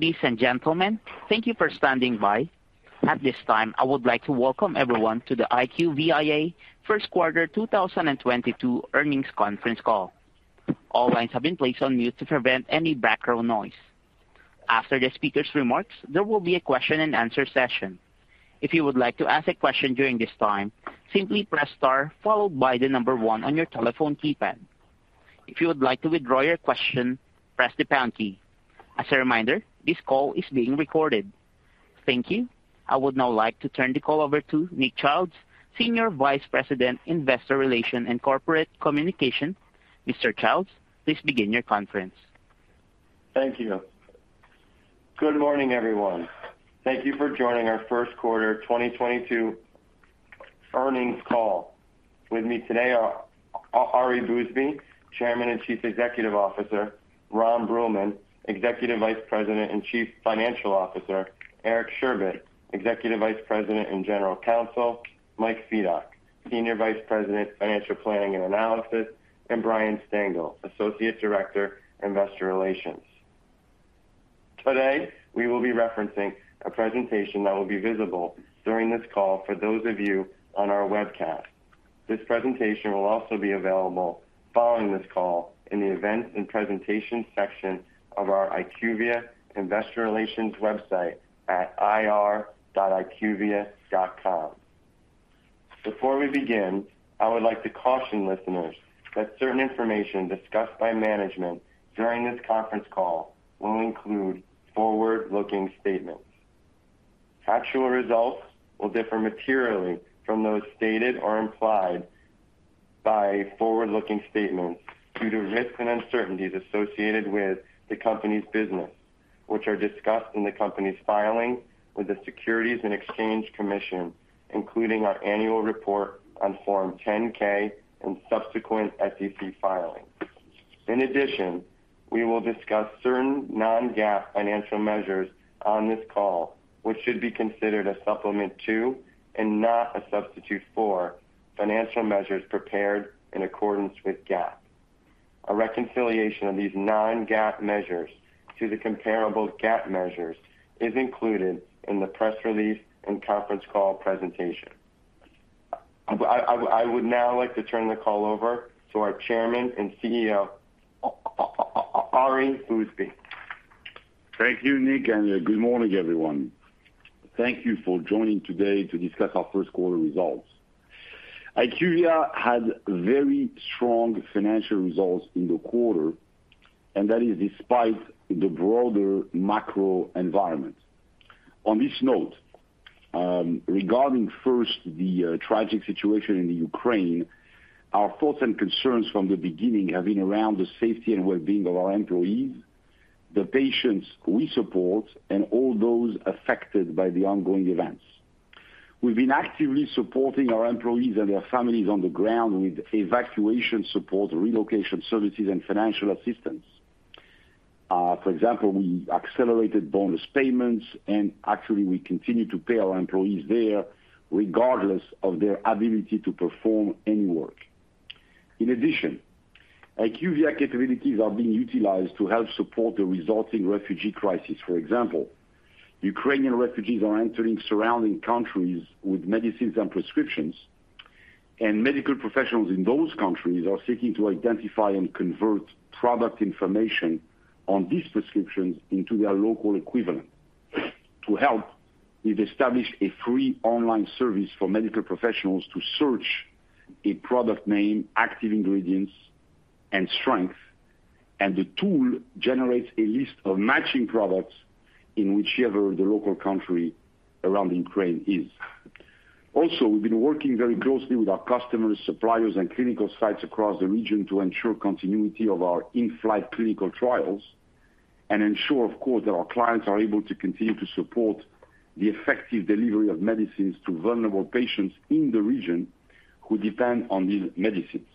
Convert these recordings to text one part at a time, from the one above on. Ladies and gentlemen, thank you for standing by. At this time, I would like to welcome everyone to the IQVIA first quarter 2022 earnings conference call. All lines have been placed on mute to prevent any background noise. After the speaker's remarks, there will be a question-and-answer session. If you would like to ask a question during this time, simply press star followed by the number one on your telephone keypad. If you would like to withdraw your question, press the pound key. As a reminder, this call is being recorded. Thank you. I would now like to turn the call over to Nick Childs, Senior Vice President, Investor Relations and Corporate Communications. Mr. Childs, please begin the conference. Thank you. Good morning, everyone. Thank you for joining our first quarter 2022 earnings call. With me today are Ari Bousbib, Chairman and Chief Executive Officer, Ron Bruehlman, Executive Vice President and Chief Financial Officer, Eric Sherbet, Executive Vice President and General Counsel, Mike Fedock, Senior Vice President, Financial Planning and Analysis, and Brian Stengel, Associate Director, Investor Relations. Today, we will be referencing a presentation that will be visible during this call for those of you on our webcast. This presentation will also be available following this call in the Events and Presentation section of our IQVIA investor relations website at ir.iqvia.com. Before we begin, I would like to caution listeners that certain information discussed by management during this conference call will include forward-looking statements. Actual results will differ materially from those stated or implied by forward-looking statements due to risks and uncertainties associated with the company's business, which are discussed in the company's filing with the Securities and Exchange Commission, including our annual report on Form 10-K and subsequent SEC filings. In addition, we will discuss certain non-GAAP financial measures on this call, which should be considered a supplement to, and not a substitute for, financial measures prepared in accordance with GAAP. A reconciliation of these non-GAAP measures to the comparable GAAP measures is included in the press release and conference call presentation. I would now like to turn the call over to our Chairman and CEO, Ari Bousbib. Thank you, Nick, and good morning, everyone. Thank you for joining today to discuss our first quarter results. IQVIA had very strong financial results in the quarter, and that is despite the broader macro environment. On this note, regarding, first, the tragic situation in the Ukraine, our thoughts and concerns from the beginning have been around the safety and well-being of our employees, the patients we support, and all those affected by the ongoing events. We've been actively supporting our employees and their families on the ground with evacuation support, relocation services, and financial assistance. For example, we accelerated bonus payments and actually we continue to pay our employees there regardless of their ability to perform any work. In addition, IQVIA capabilities are being utilized to help support the resulting refugee crisis. For example, Ukrainian refugees are entering surrounding countries with medicines and prescriptions, and medical professionals in those countries are seeking to identify and convert product information on these prescriptions into their local equivalent. To help, we've established a free online service for medical professionals to search a product name, active ingredients and strength, and the tool generates a list of matching products in whichever the local country around Ukraine is. Also, we've been working very closely with our customers, suppliers, and clinical sites across the region to ensure continuity of our in-flight clinical trials. Ensure, of course, that our clients are able to continue to support the effective delivery of medicines to vulnerable patients in the region who depend on these medicines.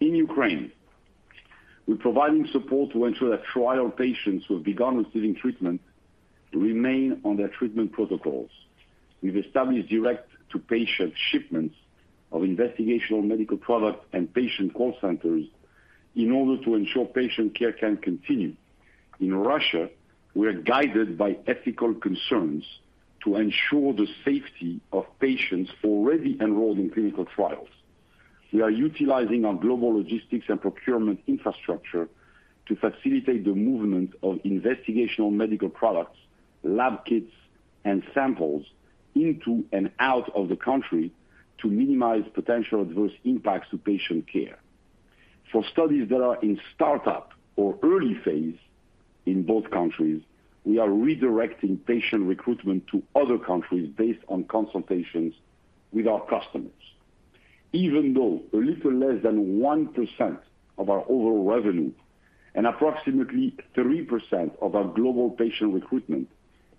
In Ukraine, we're providing support to ensure that trial patients who have begun receiving treatment remain on their treatment protocols. We've established direct-to-patient shipments of investigational medical products and patient call centers in order to ensure patient care can continue. In Russia, we are guided by ethical concerns to ensure the safety of patients already enrolled in clinical trials. We are utilizing our global logistics and procurement infrastructure to facilitate the movement of investigational medical products, lab kits, and samples into and out of the country to minimize potential adverse impacts to patient care. For studies that are in start-up or early phase in both countries, we are redirecting patient recruitment to other countries based on consultations with our customers. Even though a little less than 1% of our overall revenue and approximately 3% of our global patient recruitment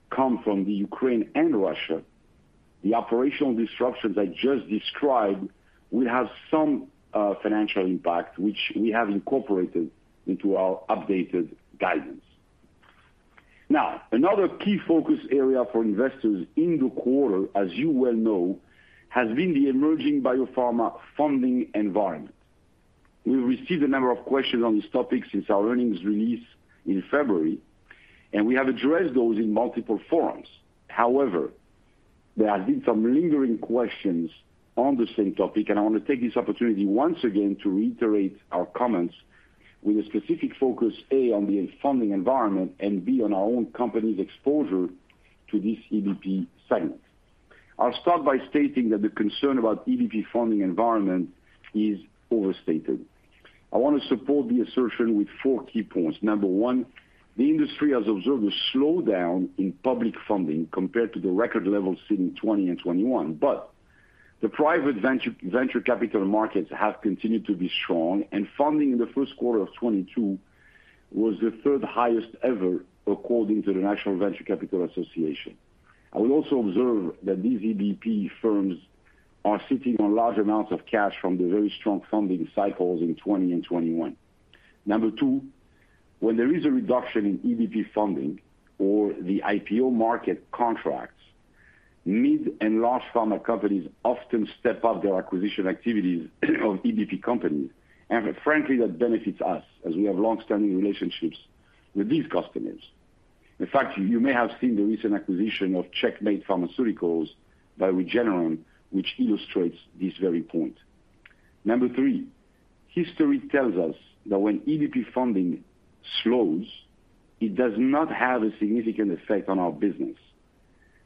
come from Ukraine and Russia, the operational disruptions I just described will have some financial impact, which we have incorporated into our updated guidance. Now, another key focus area for investors in the quarter, as you well know, has been the emerging biopharma funding environment. We've received a number of questions on this topic since our earnings release in February, and we have addressed those in multiple forums. However, there have been some lingering questions on the same topic, and I want to take this opportunity once again to reiterate our comments with a specific focus, A, on the funding environment and B, on our own company's exposure to this EBP segment. I'll start by stating that the concern about EBP funding environment is overstated. I want to support the assertion with four key points. Number one, the industry has observed a slowdown in public funding compared to the record levels seen in 2020 and 2021. The private venture capital markets have continued to be strong, and funding in the first quarter of 2022 was the third-highest ever according to the National Venture Capital Association. I will also observe that these EBP firms are sitting on large amounts of cash from the very strong funding cycles in 2020 and 2021. Number two, when there is a reduction in EBP funding or the IPO market contracts, mid and large pharma companies often step up their acquisition activities of EBP companies. Frankly, that benefits us as we have longstanding relationships with these customers. In fact, you may have seen the recent acquisition of Checkmate Pharmaceuticals by Regeneron, which illustrates this very point. Number three, history tells us that when EBP funding slows, it does not have a significant effect on our business.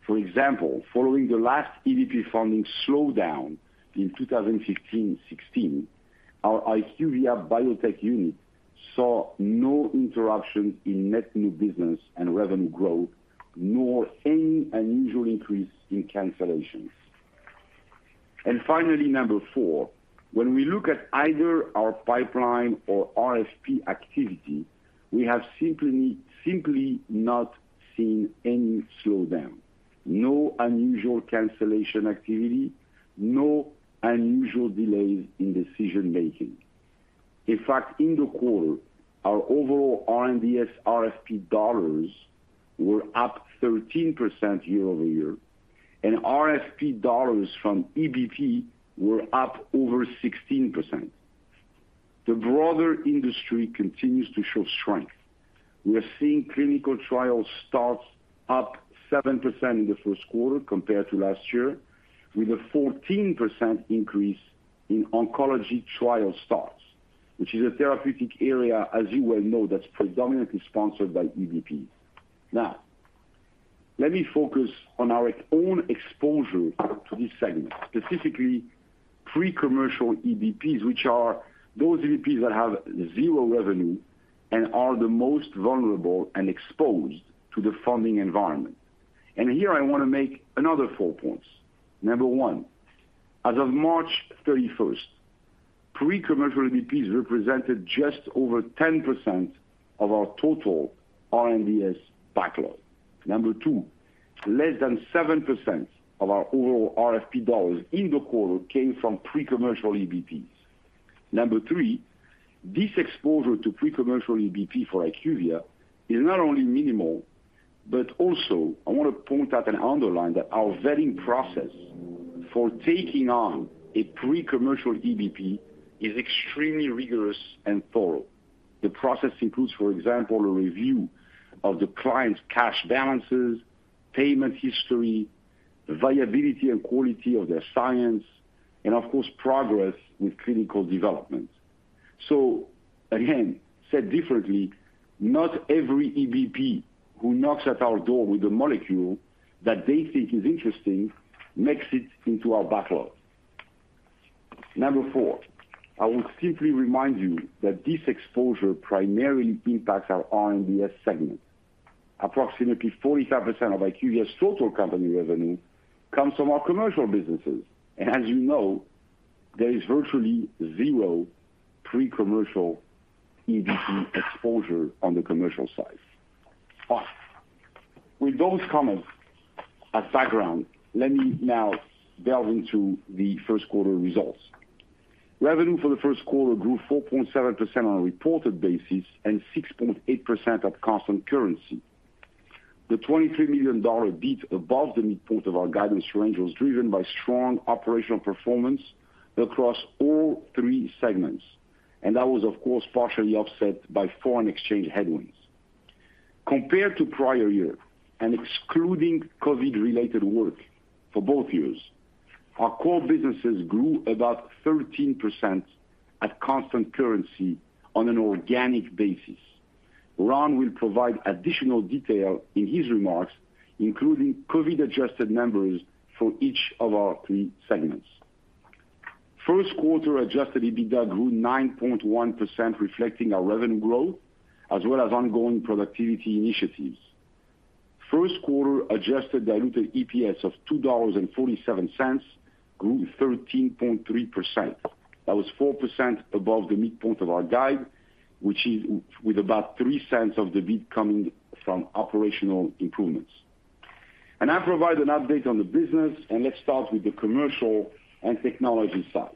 For example, following the last EBP funding slowdown in 2015, 2016, our IQVIA Biotech unit saw no interruption in net new business and revenue growth, nor any unusual increase in cancellations. Finally, number four, when we look at either our pipeline or RFP activity, we have simply not seen any slowdown. No unusual cancellation activity. No unusual delays in decision-making. In fact, in the quarter, our overall R&DS RFP dollars were up 13% year-over-year, and RFP dollars from EBP were up over 16%. The broader industry continues to show strength. We are seeing clinical trial starts up 7% in the first quarter compared to last year, with a 14% increase in oncology trial starts, which is a therapeutic area, as you well know, that's predominantly sponsored by EBPs. Now, let me focus on our own exposure to this segment, specifically pre-commercial EBPs, which are those EBPs that have zero revenue and are the most vulnerable and exposed to the funding environment. Here I want to make another four points. Number one, as of March 31st, pre-commercial EBPs represented just over 10% of our total R&DS backlog. Number two, less than 7% of our overall RFP dollars in the quarter came from pre-commercial EBPs. Number three, this exposure to pre-commercial EBP for IQVIA is not only minimal, but also I want to point out and underline that our vetting process for taking on a pre-commercial EBP is extremely rigorous and thorough. The process includes, for example, a review of the client's cash balances, payment history, viability and quality of their science, and of course, progress with clinical development. Again, said differently, not every EBP who knocks at our door with a molecule that they think is interesting makes it into our backlog. Number four, I will simply remind you that this exposure primarily impacts our R&DS segment. Approximately 45% of IQVIA's total company revenue comes from our commercial businesses. As you know, there is virtually zero pre-commercial EDC exposure on the commercial side. With those comments as background, let me now delve into the first quarter results. Revenue for the first quarter grew 4.7% on a reported basis and 6.8% at constant currency. The $23 million beat above the midpoint of our guidance range was driven by strong operational performance across all three segments, and that was of course, partially offset by foreign exchange headwinds. Compared to prior year and excluding COVID-related work for both years, our core businesses grew about 13% at constant currency on an organic basis. Ron will provide additional detail in his remarks, including COVID-adjusted numbers for each of our three segments. First quarter adjusted EBITDA grew 9.1%, reflecting our revenue growth as well as ongoing productivity initiatives. First quarter adjusted diluted EPS of $2.47 grew 13.3%. That was 4% above the midpoint of our guide, which is with about 3 cents of the beat coming from operational improvements. I provide an update on the business, and let's start with the commercial and technology side.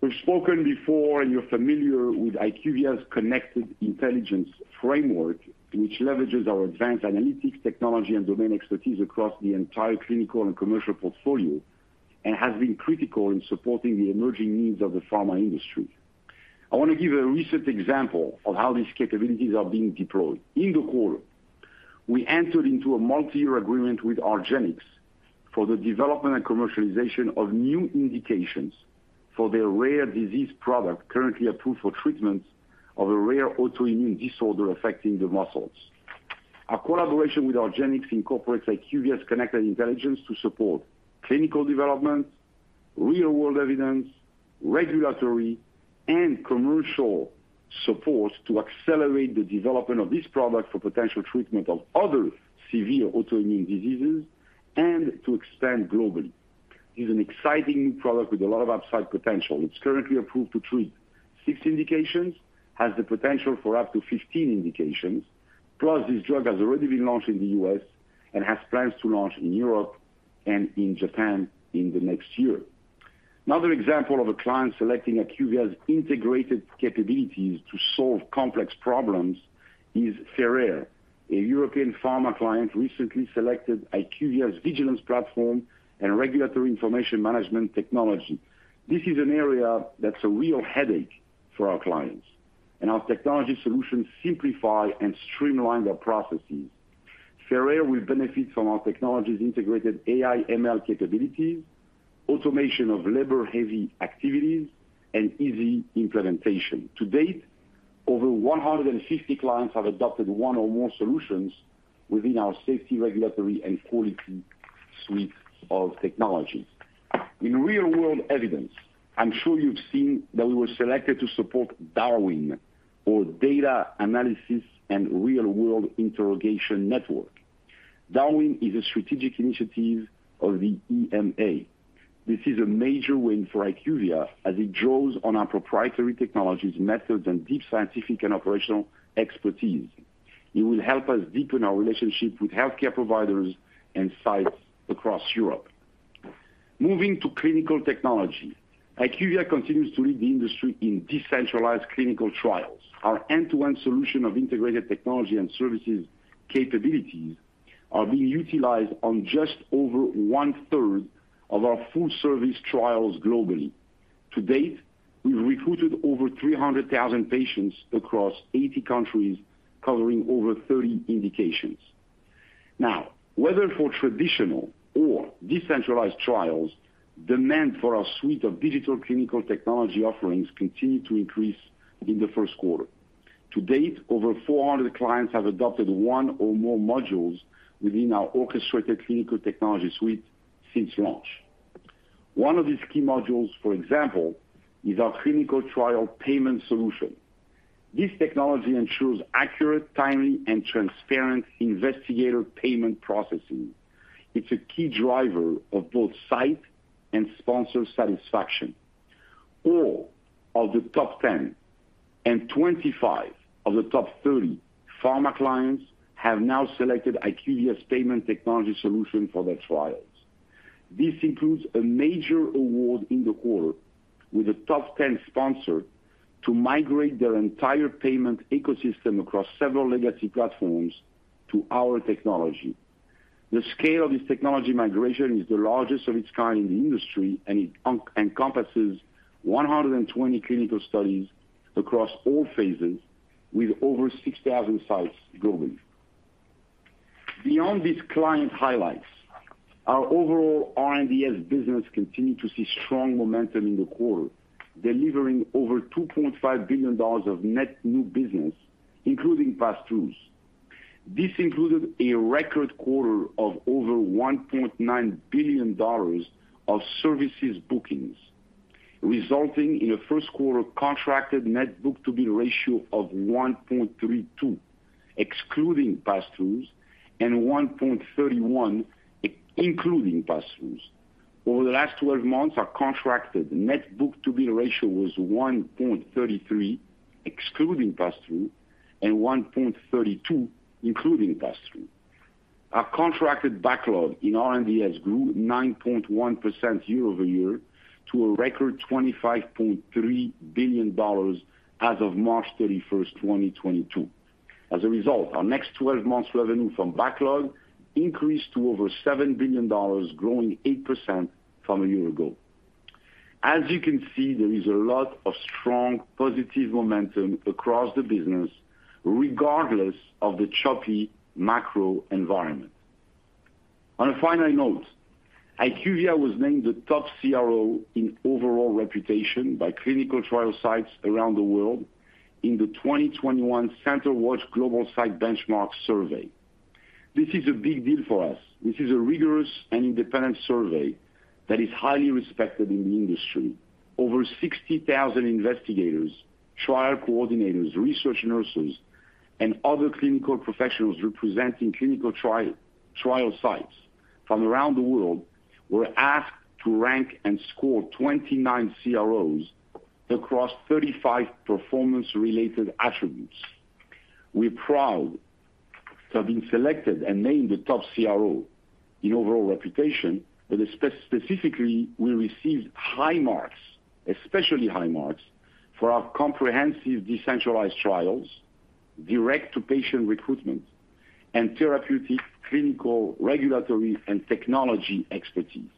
We've spoken before and you're familiar with IQVIA's Connected Intelligence framework, which leverages our advanced analytics technology and domain expertise across the entire clinical and commercial portfolio, and has been critical in supporting the emerging needs of the pharma industry. I want to give a recent example of how these capabilities are being deployed. In the quarter, we entered into a multi-year agreement with argenx for the development and commercialization of new indications for their rare disease product currently approved for treatment of a rare autoimmune disorder affecting the muscles. Our collaboration with argenx incorporates IQVIA's Connected Intelligence to support clinical development, real-world evidence, regulatory and commercial support to accelerate the development of this product for potential treatment of other severe autoimmune diseases and to expand globally. It's an exciting new product with a lot of upside potential. It's currently approved to treat six indications, has the potential for up to 15 indications, plus this drug has already been launched in the U.S. And has plans to launch in Europe and in Japan in the next year. Another example of a client selecting IQVIA's integrated capabilities to solve complex problems is Ferrer. A European pharma client recently selected IQVIA's Vigilance Platform and regulatory information management technology. This is an area that's a real headache for our clients, and our technology solutions simplify and streamline their processes. Ferrer will benefit from our technology's integrated AI ML capabilities, automation of labor-heavy activities, and easy implementation. To date, over 150 clients have adopted one or more solutions within our safety, regulatory, and quality suite of technologies. In real-world evidence, I'm sure you've seen that we were selected to support DARWIN EU, or Data Analysis and Real World Interrogation Network. DARWIN EU is a strategic initiative of the EMA. This is a major win for IQVIA as it draws on our proprietary technologies, methods, and deep scientific and operational expertise. It will help us deepen our relationship with healthcare providers and sites across Europe. Moving to clinical technology, IQVIA continues to lead the industry in decentralized clinical trials. Our end-to-end solution of integrated technology and services capabilities are being utilized on just over 1/3 of our full service trials globally. To date, we've recruited over 300,000 patients across 80 countries, covering over 30 indications. Now, whether for traditional or decentralized trials, demand for our suite of digital clinical technology offerings continued to increase in the first quarter. To date, over 400 clients have adopted one or more modules within our Orchestrated Clinical Technology Suite since launch. One of these key modules, for example, is our clinical trial payment solution. This technology ensures accurate, timely, and transparent investigator payment processing. It's a key driver of both site and sponsor satisfaction. All of the top 10 and 25 of the top 30 pharma clients have now selected IQVIA's payment technology solution for their trials. This includes a major award in the quarter with a top 10 sponsor to migrate their entire payment ecosystem across several legacy platforms to our technology. The scale of this technology migration is the largest of its kind in the industry, and it encompasses 120 clinical studies across all phases with over 6,000 sites globally. Beyond these client highlights, our overall R&DS business continued to see strong momentum in the quarter, delivering over $2.5 billion of net new business, including pass-throughs. This included a record quarter of over $1.9 billion of services bookings. Resulting in a first quarter contracted net book-to-bill ratio of 1.32, excluding pass-throughs, and 1.31 including pass-throughs. Over the last 12 months, our contracted net book-to-bill ratio was 1.33, excluding pass-through, and 1.32, including pass-through. Our contracted backlog in R&DS grew 9.1% year-over-year to a record $25.3 billion as of March 31, 2022. As a result, our next 12 months revenue from backlog increased to over $7 billion, growing 8% from a year ago. As you can see, there is a lot of strong positive momentum across the business regardless of the choppy macro environment. On a final note, IQVIA was named the top CRO in overall reputation by clinical trial sites around the world in the 2021 CenterWatch Global Site Benchmark Survey. This is a big deal for us. This is a rigorous and independent survey that is highly respected in the industry. Over 60,000 investigators, trial coordinators, research nurses, and other clinical professionals representing clinical trial sites from around the world were asked to rank and score 29 CROs across 35 performance-related attributes. We're proud to have been selected and named the top CRO in overall reputation, but specifically, we received high marks, especially high marks for our comprehensive decentralized trials, direct-to-patient recruitment, and therapeutic, clinical, regulatory, and technology expertise.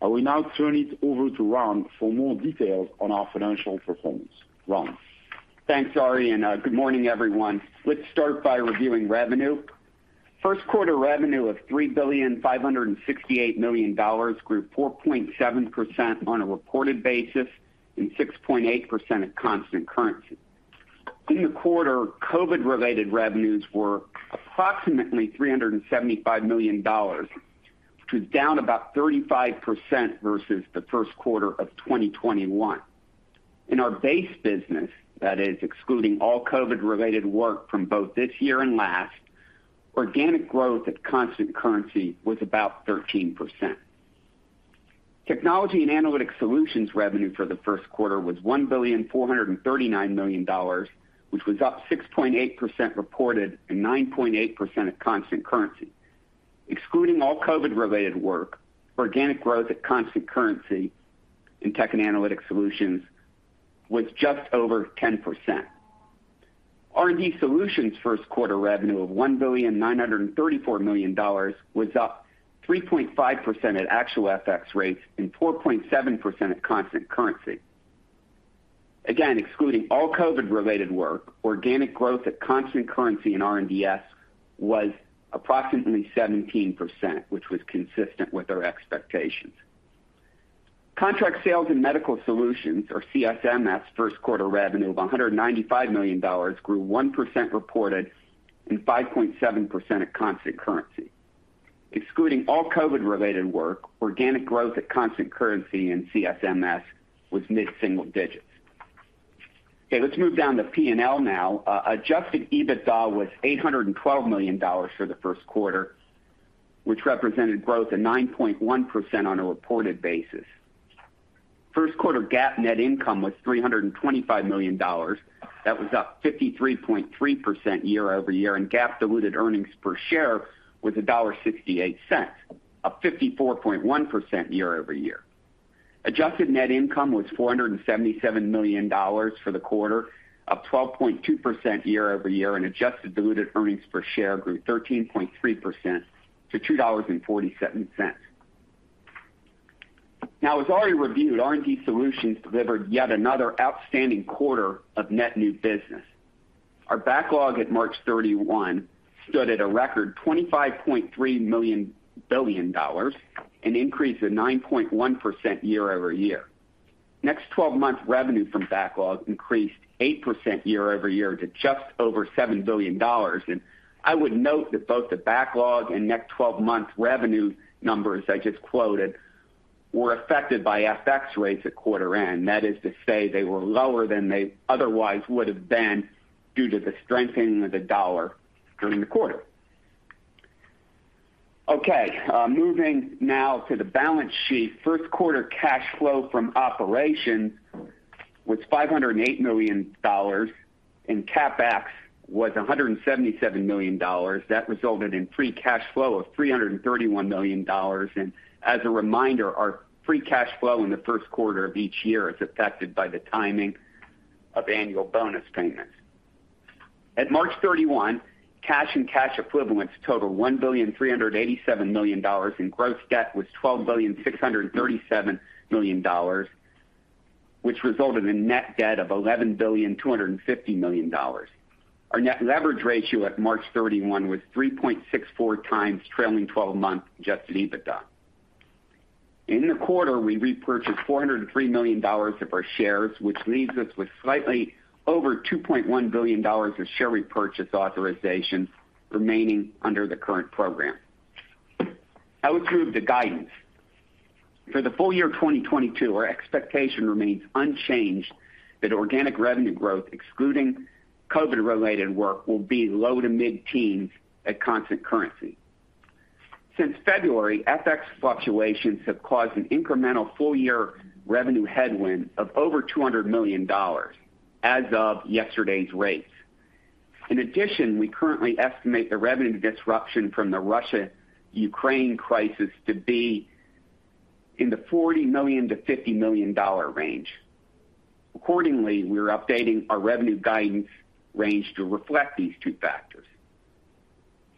I will now turn it over to Ron for more details on our financial performance. Ron? Thanks, Ari, and good morning, everyone. Let's start by reviewing revenue. First quarter revenue of $3.568 billion grew 4.7% on a reported basis and 6.8% at constant currency. In the quarter, COVID-related revenues were approximately $375 million, which was down about 35% versus the first quarter of 2021. In our base business, that is excluding all COVID-related work from both this year and last, organic growth at constant currency was about 13%. Technology & Analytics Solutions revenue for the first quarter was $1.439 billion, which was up 6.8% reported and 9.8% at constant currency. Excluding all COVID-related work, organic growth at constant currency in Technology & Analytics Solutions was just over 10%. R&DS first quarter revenue of $1.934 billion was up 3.5% at actual FX rates and 4.7% at constant currency. Again, excluding all COVID-related work, organic growth at constant currency in R&DS was approximately 17%, which was consistent with our expectations. Contract sales and medical solutions or CSMS first quarter revenue of $195 million grew 1% reported and 5.7% at constant currency. Excluding all COVID-related work, organic growth at constant currency in CSMS was mid-single digits. Okay, let's move down to P&L now. Adjusted EBITDA was $812 million for the first quarter, which represented growth of 9.1% on a reported basis. First quarter GAAP net income was $325 million. That was up 53.3% year-over-year, and GAAP diluted earnings per share was $1.68, up 54.1% year-over-year. Adjusted net income was $477 million for the quarter, up 12.2% year-over-year, and adjusted diluted earnings per share grew 13.3% to $2.47. Now, as Ari reviewed, R&D Solutions delivered yet another outstanding quarter of net new business. Our backlog at March 31 stood at a record $25.3 billion, an increase of 9.1% year-over-year. Next 12months revenue from backlog increased 8% year-over-year to just over $7 billion. I would note that both the backlog and next twelve months revenue numbers I just quoted were affected by FX rates at quarter end. That is to say they were lower than they otherwise would have been due to the strengthening of the dollar during the quarter. Okay, moving now to the balance sheet. First quarter cash flow from operations was $508 million, and CapEx was $177 million. That resulted in free cash flow of $331 million. As a reminder, our free cash flow in the first quarter of each year is affected by the timing of annual bonus payments. At March 31, cash and cash equivalents total $1.387 billion, and gross debt was $12.637 billion, which resulted in net debt of $11.25 billion. Our net leverage ratio at March 31 was 3.64 times trailing 12 month adjusted EBITDA. In the quarter, we repurchased $403 million of our shares, which leaves us with slightly over $2.1 billion of share repurchase authorizations remaining under the current program. I'll update the guidance. For the full year 2022, our expectation remains unchanged that organic revenue growth, excluding COVID-related work, will be low- to mid-teens% at constant currency. Since February, FX fluctuations have caused an incremental full-year revenue headwind of over $200 million as of yesterday's rates. In addition, we currently estimate the revenue disruption from the Russia-Ukraine crisis to be in the $40 million-$50 million range. Accordingly, we're updating our revenue guidance range to reflect these two factors.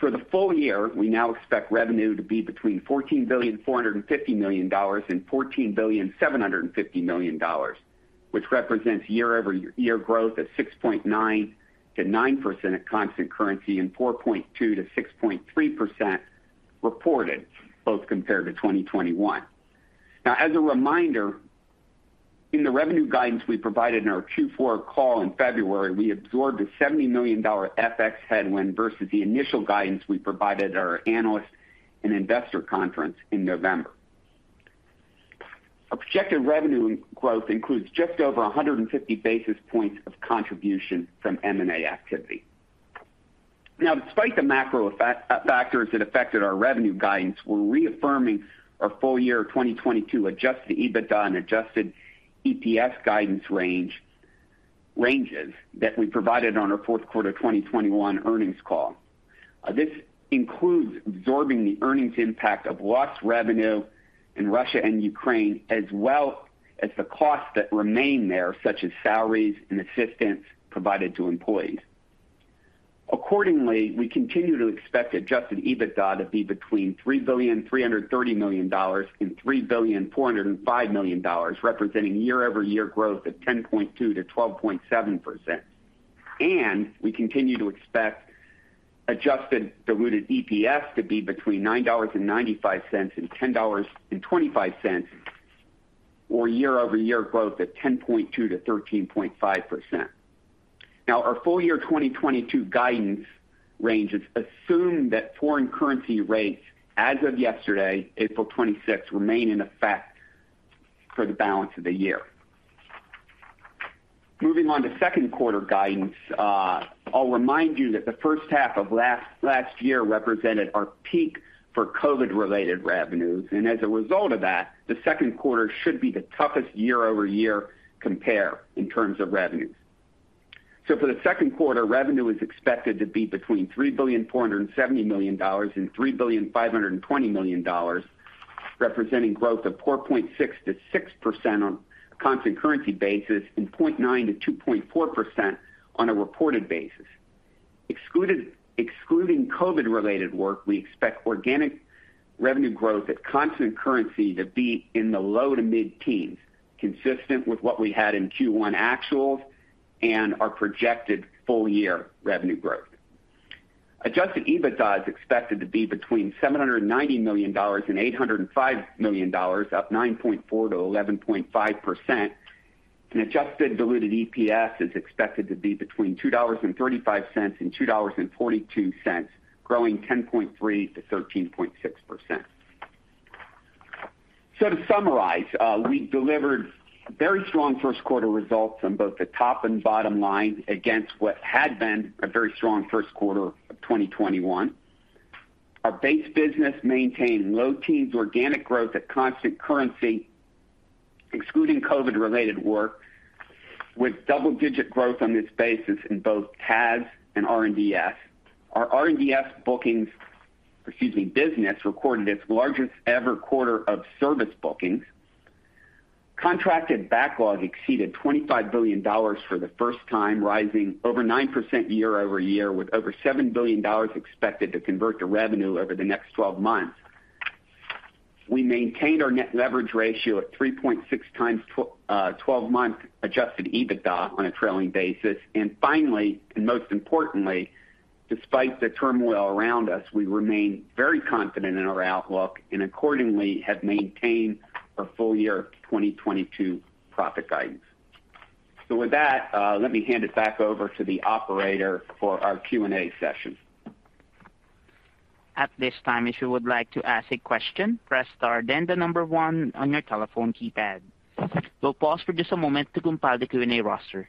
For the full year, we now expect revenue to be between $14.45 billion and $14.75 billion, which represents year-over-year growth at 6.9%-9% at constant currency and 4.2%-6.3% reported both compared to 2021. Now, as a reminder, in the revenue guidance we provided in our Q4 call in February, we absorbed a $70 million FX headwind versus the initial guidance we provided our analyst and investor conference in November. Our projected revenue growth includes just over 150 basis points of contribution from M&A activity. Now, despite the macro factors that affected our revenue guidance, we're reaffirming our full-year 2022 adjusted EBITDA and adjusted EPS guidance ranges that we provided on our fourth quarter 2021 earnings call. This includes absorbing the earnings impact of lost revenue in Russia and Ukraine, as well as the costs that remain there, such as salaries and assistance provided to employees. Accordingly, we continue to expect adjusted EBITDA to be between $3.33 billion and $3.405 billion, representing year-over-year growth of 10.2%-12.7%. We continue to expect adjusted diluted EPS to be between $9.95 and $10.25, or year-over-year growth at 10.2%-13.5%. Now our full year 2022 guidance ranges assume that foreign currency rates as of yesterday, April 26, remain in effect for the balance of the year. Moving on to second quarter guidance, I'll remind you that the first half of last year represented our peak for COVID-related revenues, and as a result of that, the second quarter should be the toughest year-over-year compare in terms of revenues. For the second quarter, revenue is expected to be between $3.47 billion and $3.52 billion, representing growth of 4.6%-6% on a constant currency basis and 0.9%-2.4% on a reported basis. Excluding COVID-related work, we expect organic revenue growth at constant currency to be in the low to mid-teens, consistent with what we had in Q1 actuals and our projected full-year revenue growth. Adjusted EBITDA is expected to be between $790 million and $805 million, up 9.4%-11.5%. Adjusted diluted EPS is expected to be between $2.35 and $2.42, growing 10.3%-13.6%. To summarize, we delivered very strong first quarter results on both the top and bottom line against what had been a very strong first quarter of 2021. Our base business maintained low teens organic growth at constant currency, excluding COVID-related work, with double-digit growth on this basis in both CAS and R&DS. Our R&DS business recorded its largest-ever quarter of service bookings. Contracted backlog exceeded $25 billion for the first time, rising over 9% year-over-year, with over $7 billion expected to convert to revenue over the next 12 months. We maintained our net leverage ratio at 3.6x 12-month adjusted EBITDA on a trailing basis. Finally, and most importantly, despite the turmoil around us, we remain very confident in our outlook and accordingly have maintained our full-year 2022 profit guidance. With that, let me hand it back over to the operator for our Q&A session. At this time, if you would like to ask a question, press star, then the number one on your telephone keypad. We'll pause for just a moment to compile the Q&A roster.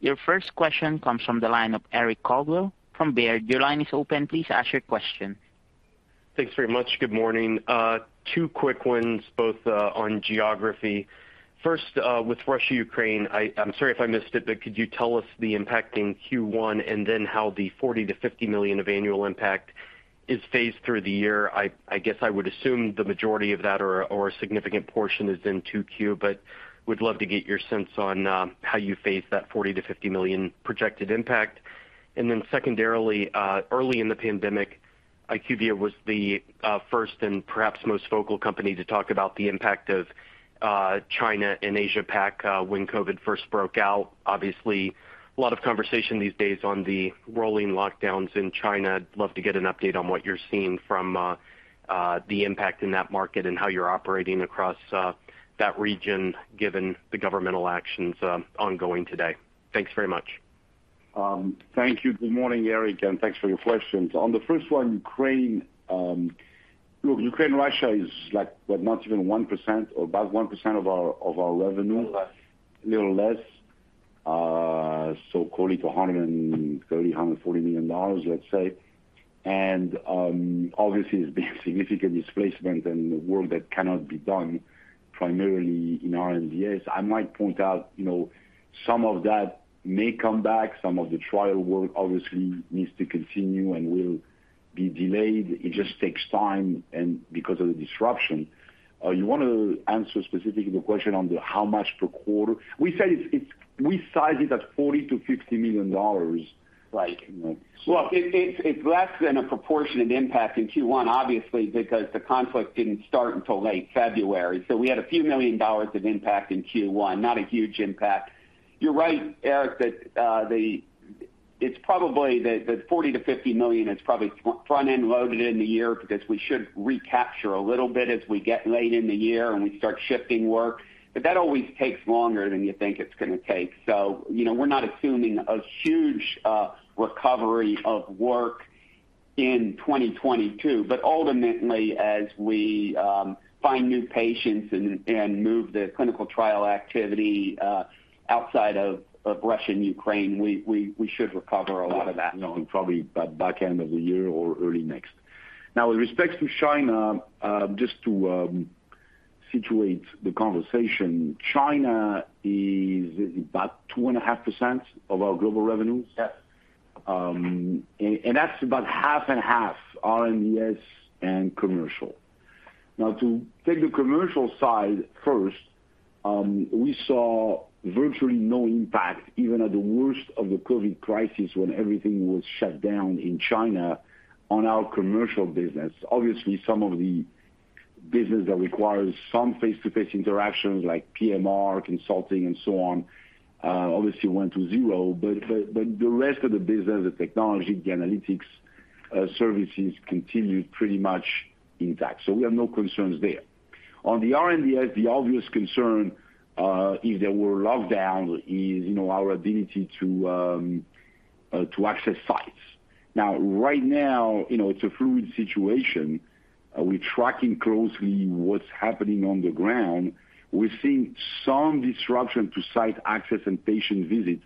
Your first question comes from the line of Eric Coldwell from Baird. Your line is open. Please ask your question. Thanks very much. Good morning. Two quick ones, both on geography. First, with Russia-Ukraine. I'm sorry if I missed it, but could you tell us the impact in Q1 and then how the $40 million-$50 million of annual impact is phased through the year? I guess I would assume the majority of that or a significant portion is in 2Q. But we'd love to get your sense on how you phase that $40 million-$50 million projected impact. Secondarily, early in the pandemic, IQVIA was the first and perhaps most vocal company to talk about the impact of China and Asia Pac when COVID first broke out. Obviously, a lot of conversation these days on the rolling lockdowns in China. I'd love to get an update on what you're seeing from the impact in that market and how you're operating across that region, given the governmental actions ongoing today. Thanks very much. Thank you. Good morning, Eric, and thanks for your questions. On the first one, Ukraine. Look, Ukraine, Russia is like what not even 1% or about 1% of our revenue. A little less. A little less. So call it $130 million-$140 million, let's say. Obviously, there's been significant displacement and work that cannot be done primarily in R&DS. I might point out some of that may come back. Some of the trial work obviously needs to continue and will be delayed. It just takes time and because of the disruption. You wanna answer specifically the question on how much per quarter? We said it's we size it at $40 million-$50 million, like. It's less than a proportionate impact in Q1, obviously, because the conflict didn't start until late February. We had $a few million of impact in Q1. Not a huge impact. You're right, Eric, that it's probably that $40 million-$50 million is probably front-end loaded in the year because we should recapture a little bit as we get late in the year and we start shifting work. That always takes longer than you think it's gonna take. You know, we're not assuming a huge recovery of work in 2022. Ultimately, as we find new patients and move the clinical trial activity outside of Russia and Ukraine, we should recover a lot of that. You know, probably by back end of the year or early next. Now with respect to China, just to situate the conversation, China is about 2.5% of our global revenues. Yes. That's about 50/50 R&DS and commercial. Now to take the commercial side first, we saw virtually no impact, even at the worst of the COVID crisis when everything was shut down in China on our commercial business. Obviously, some of the business that requires some face-to-face interactions like PMR, consulting and so on, obviously went to zero. The rest of the business, the technology, the analytics, services continued pretty much intact. We have no concerns there. On the R&DS, the obvious concern, if there were lockdowns is, our ability to access sites. Now, right now, it's a fluid situation. We're tracking closely what's happening on the ground. We're seeing some disruption to site access and patient visits,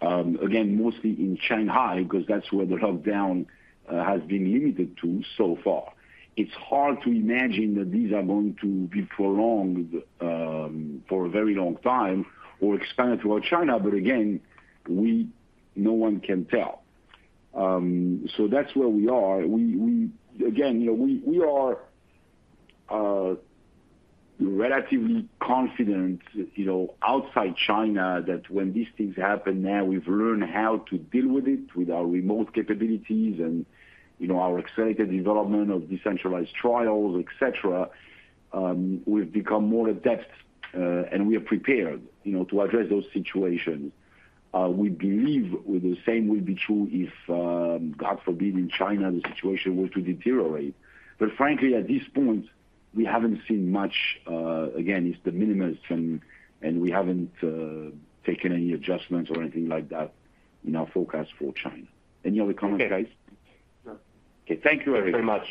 again, mostly in Shanghai 'cause that's where the lockdown has been limited to so far. It's hard to imagine that these are going to be prolonged for a very long time or expand throughout China. Again, no one can tell. That's where we are. We again, you know, we are relatively confident, you know, outside China that when these things happen now, we've learned how to deal with it with our remote capabilities and, you know, our accelerated development of decentralized trials, et cetera. We've become more adept and we are prepared, you know, to address those situations. We believe the same will be true if, God forbid, in China, the situation were to deteriorate. Frankly, at this point, we haven't seen much. Again, it's the minimum and we haven't taken any adjustments or anything like that in our forecast for China. Any other comments, guys? Okay. Okay. Thank you, Eric. Thank you very much.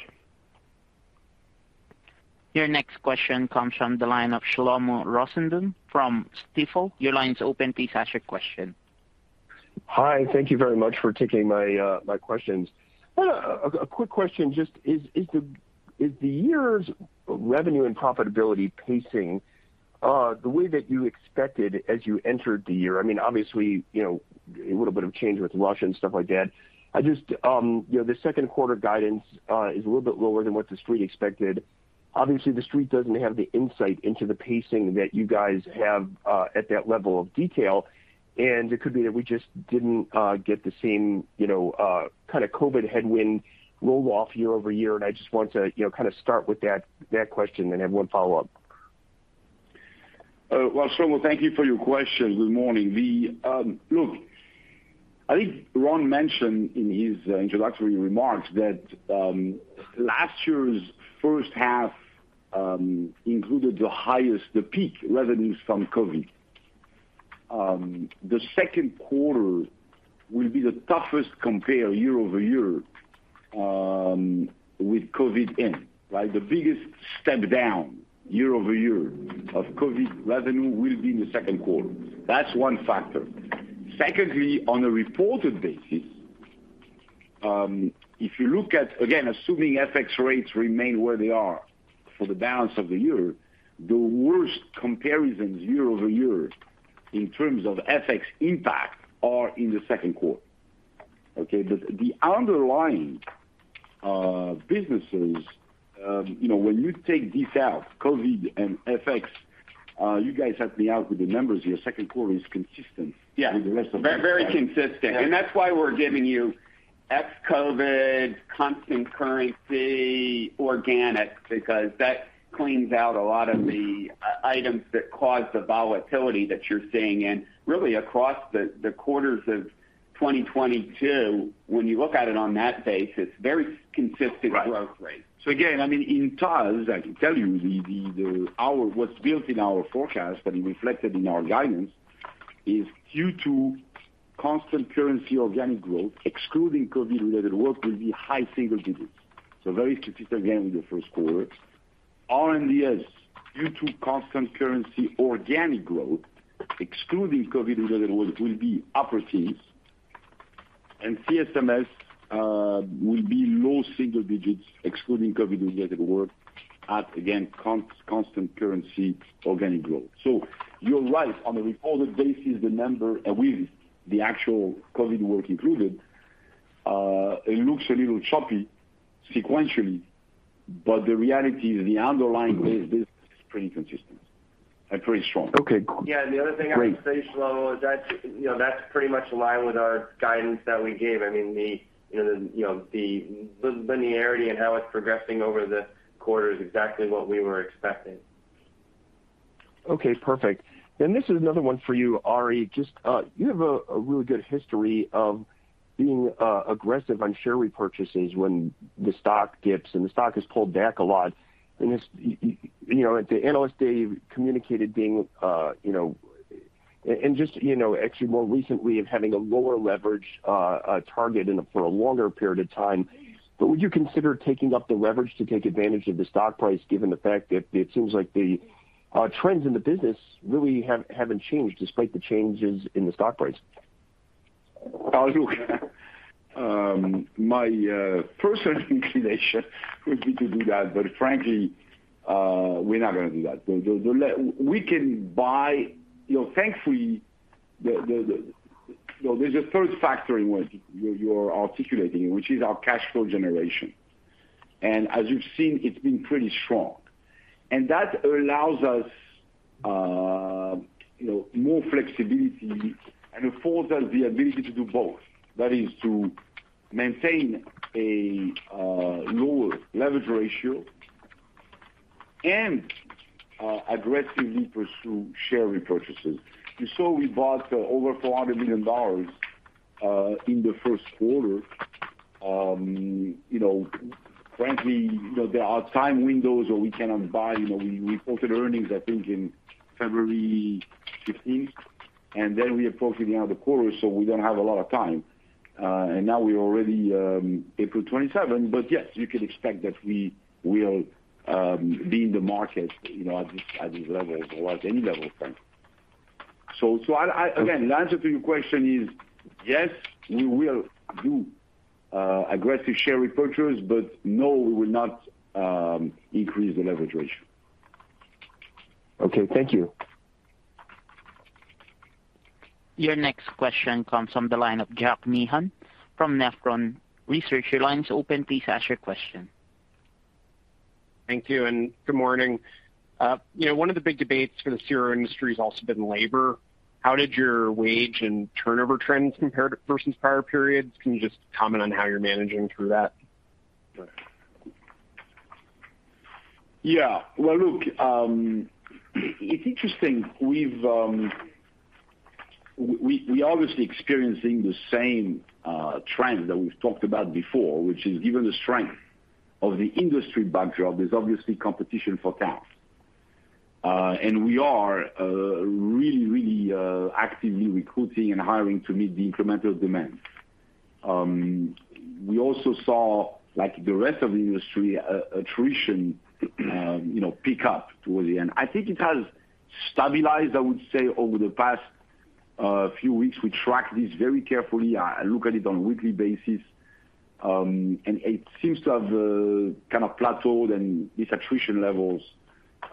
Your next question comes from the line of Shlomo Rosenbaum from Stifel. Your line is open. Please ask your question. Hi. Thank you very much for taking my questions. Quick question just is the year's revenue and profitability pacing the way that you expected as you entered the year? I mean, obviously, you know, a little bit of change with Russia and stuff like that. I just you know, the second quarter guidance is a little bit lower than what the Street expected. Obviously, the Street doesn't have the insight into the pacing that you guys have at that level of detail, and it could be that we just didn't get the same, you know, kind of COVID headwind roll-off year-over-year. I just want to, you know, kind of start with that question, then I have one follow-up. Well, Shlomo, thank you for your question. Good morning. Look, I think Ron mentioned in his introductory remarks that last year's first half included the highest, the peak revenues from COVID. The second quarter will be the toughest compare year-over-year with COVID in. Like, the biggest step down year-over-year of COVID revenue will be in the second quarter. That's one factor. Secondly, on a reported basis, if you look at again, assuming FX rates remain where they are for the balance of the year, the worst comparisons year-over-year in terms of FX impact are in the second quarter, okay? The underlying businesses, you know, when you take this out, COVID and FX, you guys help me out with the numbers here. Second quarter is consistent. Yeah. With the rest of the. Very consistent. Yeah. That's why we're giving you ex-COVID constant currency organic because that cleans out a lot of the items that cause the volatility that you're seeing. Really across the quarters of 2022, when you look at it on that base, it's very consistent growth rate. Right. I mean, in total, as I can tell you, what's built in our forecast and reflected in our guidance is constant currency organic growth, excluding COVID related work, will be high single digits. Very consistent again with the first quarter. R&DS constant currency organic growth excluding COVID related work will be upper teens and CSMS will be low single digits excluding COVID related work at again constant currency organic growth. You're right on a reported basis, the number and with the actual COVID work included, it looks a little choppy sequentially, but the reality is the underlying base business is pretty consistent and pretty strong. Okay, cool. Great. Yeah. The other thing I would say, Shlomo, that's, you know, pretty much in line with our guidance that we gave. I mean, you know, the linearity and how it's progressing over the quarter is exactly what we were expecting. Okay, perfect. This is another one for you, Ari, just you have a really good history of being aggressive on share repurchases when the stock dips, and the stock has pulled back a lot. It's you know, at the Analyst Day, you communicated being you know. Just you know, actually more recently of having a lower leverage target and for a longer period of time. Would you consider taking up the leverage to take advantage of the stock price, given the fact that it seems like the trends in the business really haven't changed despite the changes in the stock price? Well, look, my personal inclination would be to do that, but frankly, we're not gonna do that. We can buy. You know, thankfully. You know, there's a third factor in what you're articulating, which is our cash flow generation. As you've seen, it's been pretty strong. That allows us, you know, more flexibility and affords us the ability to do both. That is to maintain a lower leverage ratio and aggressively pursue share repurchases. You saw we bought over $400 million in the first quarter. You know, frankly, you know, there are time windows where we cannot buy. You know, we reported earnings, I think in February 15th, and then we approach the end of the quarter, so we don't have a lot of time. now we're already April 27. Yes, you can expect that we will be in the market, you know, at this level or at any level, frankly. Again, the answer to your question is, yes, we will do aggressive share repurchases, but no, we will not increase the leverage ratio. Okay, thank you. Your next question comes from the line of Jack Meehan from Nephron Research. Your line is open. Please ask your question. Thank you and good morning. You know, one of the big debates for the CRO industry has also been labor. How did your wage and turnover trends compare versus prior periods? Can you just comment on how you're managing through that? Yeah. Well, look, it's interesting. We obviously experiencing the same trend that we've talked about before, which is given the strength of the industry backdrop, there's obviously competition for talent. We are really actively recruiting and hiring to meet the incremental demand. We also saw, like the rest of the industry, attrition you know pick up towards the end. I think it has stabilized, I would say, over the past few weeks. We track this very carefully. I look at it on a weekly basis. It seems to have kind of plateaued and these attrition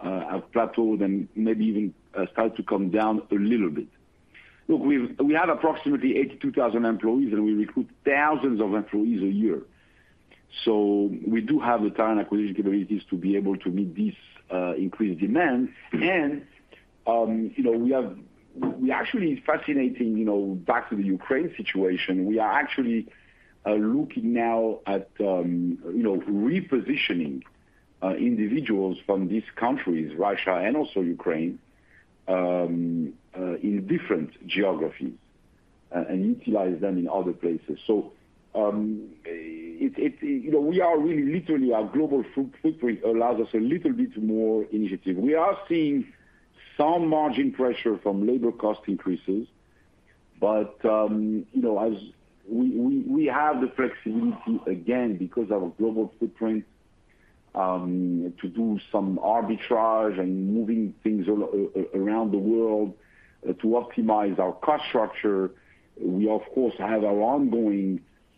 levels have plateaued and maybe even start to come down a little bit. Look, we have approximately 82,000 employees, and we recruit thousands of employees a year. We do have the talent acquisition capabilities to be able to meet these increased demands. You know, back to the Ukraine situation, we are actually looking now at you know repositioning individuals from these countries, Russia and also Ukraine, in different geographies and utilize them in other places. You know, it we are really literally our global footprint allows us a little bit more initiative. We are seeing some margin pressure from labor cost increases, but you know, as we have the flexibility again because of our global footprint to do some arbitrage and moving things around the world to optimize our cost structure.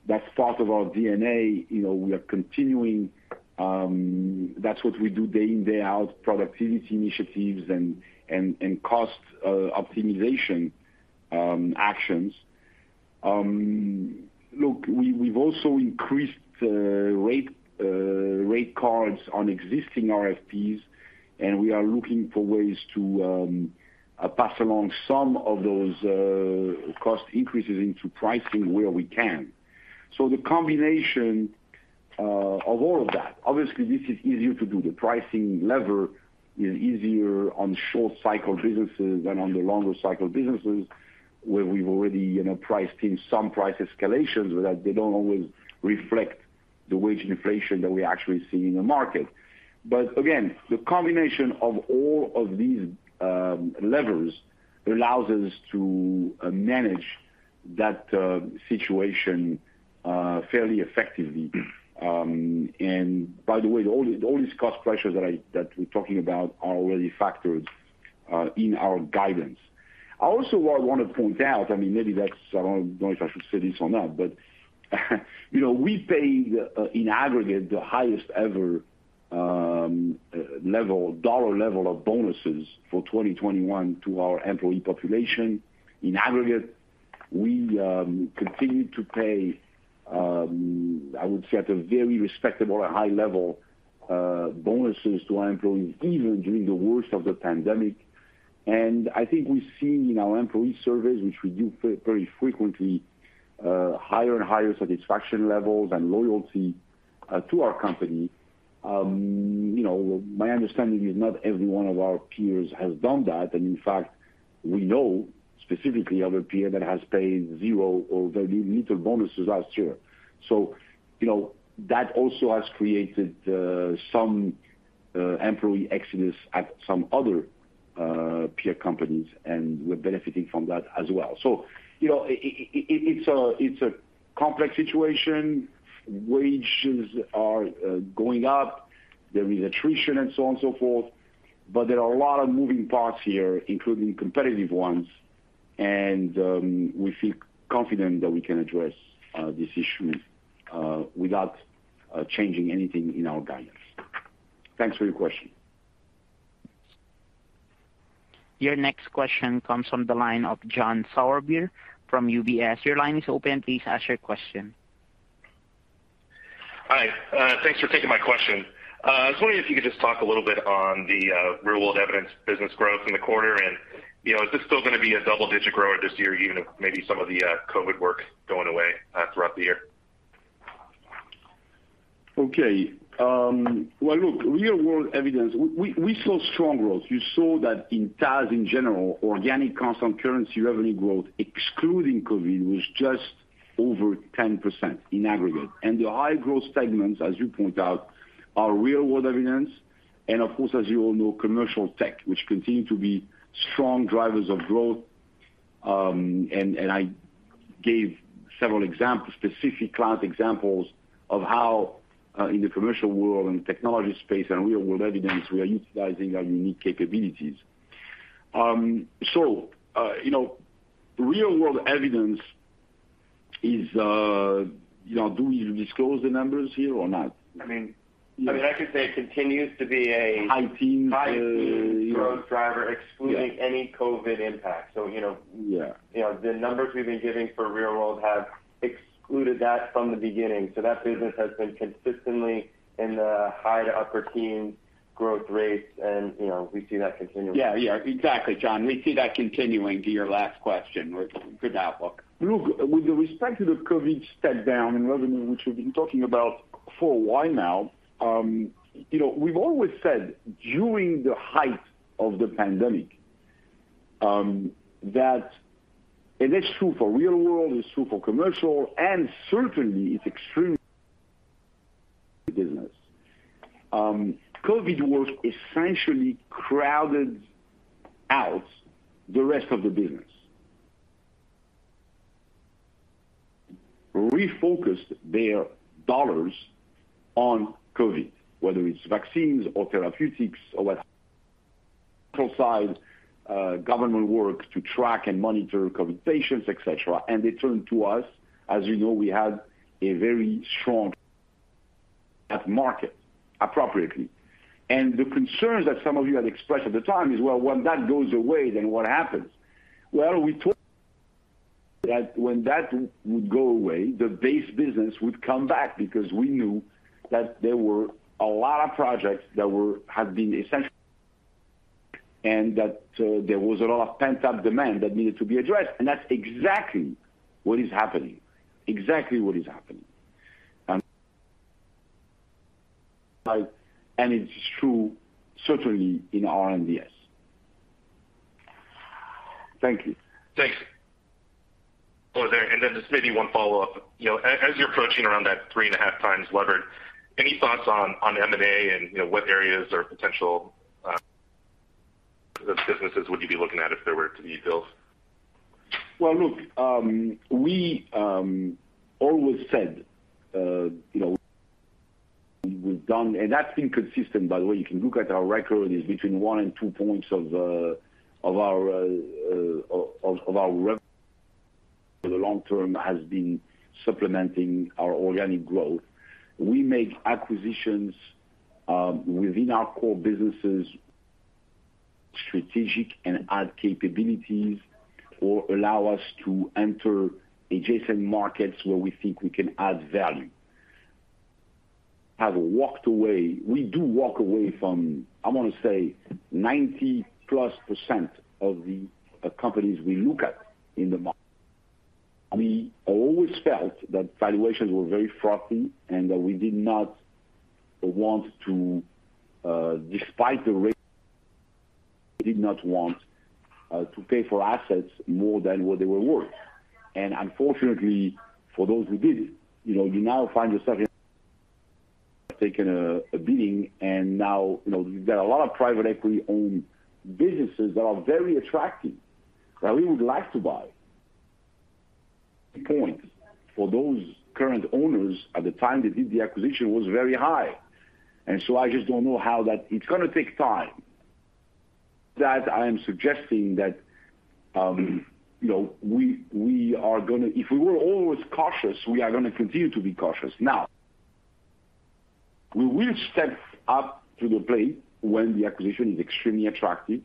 That's part of our DNA. You know, we are continuing. That's what we do day in, day out, productivity initiatives and cost optimization actions. Look, we've also increased rate cards on existing RFPs, and we are looking for ways to pass along some of those cost increases into pricing where we can. The combination of all of that, obviously this is easier to do. The pricing lever is easier on short cycle businesses than on the longer cycle businesses where we've already, you know, priced in some price escalations, but that they don't always reflect the wage inflation that we actually see in the market. Again, the combination of all of these levers allows us to manage that situation fairly effectively. By the way, all these cost pressures that we're talking about are already factored in our guidance. Also, what I wanna point out, I mean, maybe that's, I don't know if I should say this or not, but, you know, we paid in aggregate the highest ever dollar level of bonuses for 2021 to our employee population. In aggregate, we continued to pay, I would say at a very respectable and high level, bonuses to our employees even during the worst of the pandemic. I think we've seen in our employee surveys, which we do very frequently, higher and higher satisfaction levels and loyalty to our company. You know, my understanding is not every one of our peers has done that. In fact, we know specifically of a peer that has paid zero or very little bonuses last year. You know, that also has created some employee exodus at some other peer companies, and we're benefiting from that as well. You know, it's a complex situation. Wages are going up, there is attrition and so on and so forth, but there are a lot of moving parts here, including competitive ones, and we feel confident that we can address these issues without changing anything in our guidance. Thanks for your question. Your next question comes from the line of John Sourbeer from UBS. Your line is open. Please ask your question. Hi, thanks for taking my question. I was wondering if you could just talk a little bit on the real-world evidence business growth in the quarter. You know, is this still gonna be a double-digit grower this year, even if maybe some of the COVID work going away throughout the year? Okay. Well, look, real-world evidence, we saw strong growth. You saw that in TAS in general, organic constant currency revenue growth, excluding COVID, was just over 10% in aggregate. The high growth segments, as you point out, are real-world evidence and of course, as you all know, commercial tech, which continue to be strong drivers of growth. I gave several examples, specific class examples of how in the commercial world and technology space and real-world evidence, we are utilizing our unique capabilities. You know, real-world evidence is, you know, do we disclose the numbers here or not? I mean, I can say it continues to be a. High teens. High-teens growth driver excluding any COVID impact. You know. Yeah. You know, the numbers we've been giving for real world have excluded that from the beginning. That business has been consistently in the high to upper teen growth rates and, you know, we see that continuing. Yeah, yeah, exactly, John. We see that continuing to your last question with good outlook. Look, with respect to the COVID step down in revenue, which we've been talking about for a while now, you know, we've always said during the height of the pandemic, that and it's true for real world, it's true for commercial, and certainly it's R&DS business. COVID was essentially crowded out the rest of the business. Refocused their dollars on COVID, whether it's vaccines or therapeutics or what have you, government work to track and monitor COVID patients, et cetera. They turned to us. As you know, we had a very strong in the market appropriately. The concerns that some of you had expressed at the time is, well, when that goes away, then what happens? Well, we told that when that would go away, the base business would come back because we knew that there were a lot of projects that had been essential and that there was a lot of pent-up demand that needed to be addressed. That's exactly what is happening. It's true certainly in R&DS. Thank you. Thanks. Oh, and then just maybe one follow-up. You know, as you're approaching around that 3.5x levered, any thoughts on M&A and, you know, what areas or potential businesses would you be looking at if there were to be deals? Well, look, we always said, you know, we've done and that's been consistent, by the way. You can look at our record is between one and two points of our revenue for the long term has been supplementing our organic growth. We make acquisitions within our core businesses, strategic and add capabilities or allow us to enter adjacent markets where we think we can add value. Have walked away. We do walk away from, I wanna say 90%+ of the companies we look at in the market. I mean, I always felt that valuations were very frothy and that we did not want to. We did not want to pay for assets more than what they were worth. Unfortunately, for those who did, you know, you now find yourself taking a beating. Now, you know, you've got a lot of private equity-owned businesses that are very attractive that we would like to buy. The entry point for those current owners at the time they did the acquisition was very high. I just don't know how that. It's gonna take time. I'm not suggesting that, you know, we are gonna. If we were always cautious, we are gonna continue to be cautious. Now, we will step up to the plate when the acquisition is extremely attractive,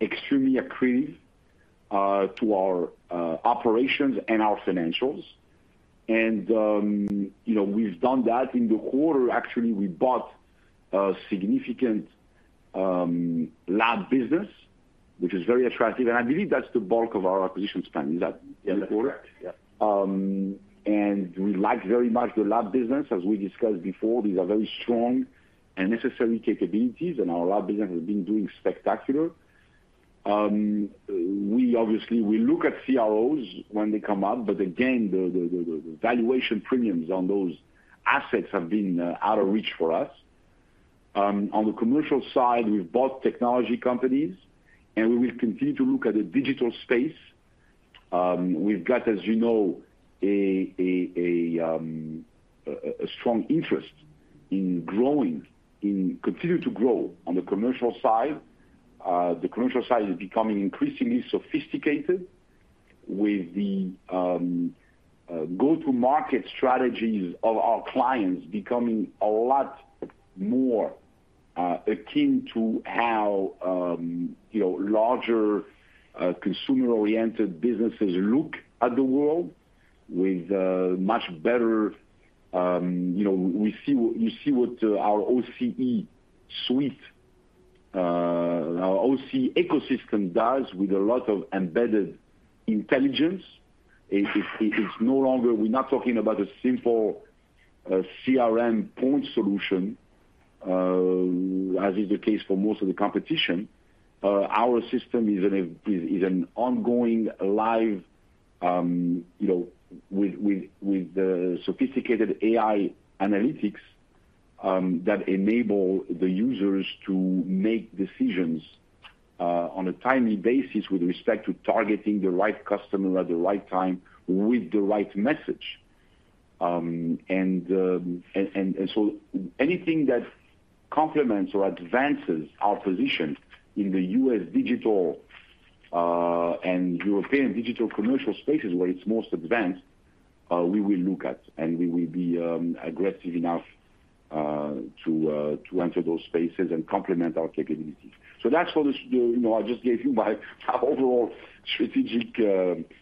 extremely accretive to our operations and our financials. You know, we've done that in the quarter. Actually, we bought a significant lab business, which is very attractive. I believe that's the bulk of our acquisition spend. Is that Yeah, that's correct. Yeah. We like very much the lab business. As we discussed before, these are very strong and necessary capabilities, and our lab business has been doing spectacular. We obviously look at CROs when they come up, but again, the valuation premiums on those assets have been out of reach for us. On the commercial side, we've bought technology companies, and we will continue to look at the digital space. We've got, as you know, a strong interest in growing, in continuing to grow on the commercial side. The commercial side is becoming increasingly sophisticated with the go-to-market strategies of our clients becoming a lot more akin to how, you know, larger consumer-oriented businesses look at the world with much better. You know, you see what our OCE suite, our OCE ecosystem does with a lot of embedded intelligence. It's no longer. We're not talking about a simple CRM point solution, as is the case for most of the competition. Our system is an ongoing live, you know, with sophisticated AI analytics that enable the users to make decisions on a timely basis with respect to targeting the right customer at the right time with the right message. Anything that complements or advances our position in the US digital and European digital commercial spaces where it's most advanced, we will look at, and we will be aggressive enough to enter those spaces and complement our capabilities. That's what this, you know, I just gave you my overall strategic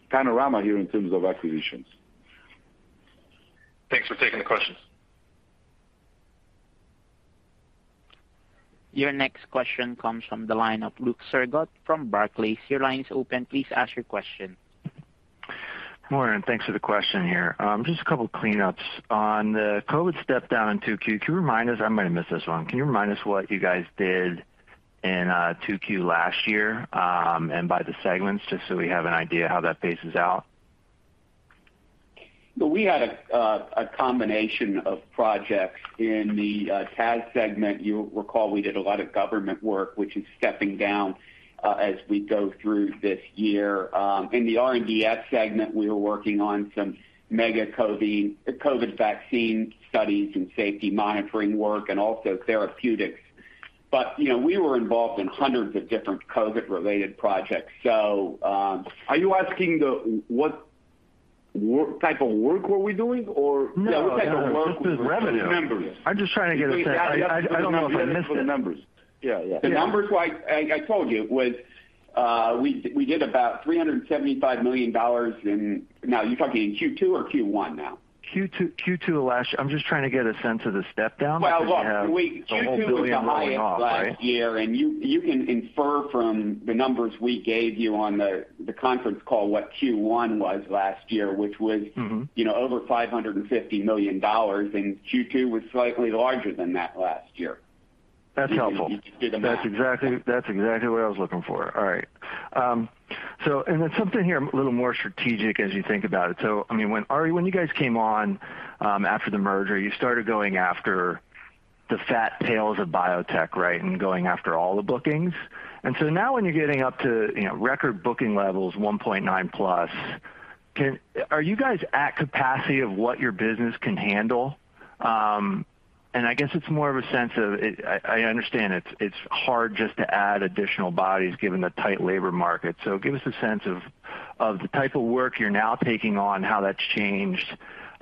panorama here in terms of acquisitions. Thanks for taking the questions. Your next question comes from the line of Luke Sergott from Barclays. Your line is open. Please ask your question. Morning, thanks for the question here. Just a couple cleanups. On the COVID step-down in 2Q, can you remind us, I might have missed this one. Can you remind us what you guys did in 2Q last year, and by the segments, just so we have an idea how that paces out? We had a combination of projects. In the TAS segment, you recall we did a lot of government work, which is stepping down as we go through this year. In the R&DS segment, we were working on some mega COVID vaccine studies and safety monitoring work and also therapeutics. You know, we were involved in hundreds of different COVID-related projects. Are you asking what type of work were we doing? Or. No, no. Yeah, what type of work? Just the revenue. Members. I'm just trying to get a sense. I don't know if I missed it. I think that's for the numbers. Yeah. Yeah. The numbers like I told you was, we did about $375 million in. Now, you're talking in Q2 or Q1 now? Q2 last year. I'm just trying to get a sense of the step-down 'cause you have a whole $1 billion coming off, right? Well, look, Q2 was the highest last year, and you can infer from the numbers we gave you on the conference call what Q1 was last year, which was. Mm-hmm. You know, over $550 million, and Q2 was slightly larger than that last year. That's helpful. You did the math. That's exactly what I was looking for. All right. Something here a little more strategic as you think about it. I mean, when Ari, when you guys came on, after the merger, you started going after the fat tails of biotech, right? And going after all the bookings. Now when you're getting up to, you know, record booking levels, 1.9+, are you guys at capacity of what your business can handle? I guess it's more of a sense of it. I understand it's hard just to add additional bodies given the tight labor market. Give us a sense of the type of work you're now taking on, how that's changed,